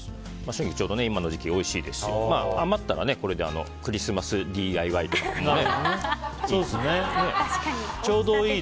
春菊ちょうど今の時期おいしいですし余ったらこれでクリスマスＤＩＹとかね。